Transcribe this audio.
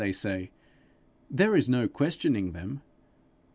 they say. 'There is no questioning them!